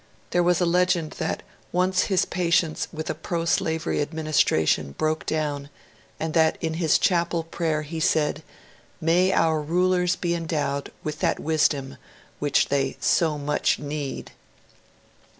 There was a legend that once his patience with a proslavery administration broke down, and that in his chapel prayer he said, ^^ May our rulers be endowed with that wisdom which they so much need.